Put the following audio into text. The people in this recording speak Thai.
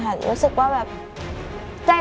โปรดติดตามต่อไป